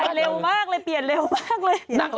เร็วมากเลยเปลี่ยนเร็วมากเลย